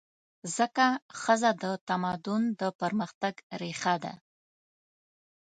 ځکه ښځه د تمدن د پرمختګ ریښه ده.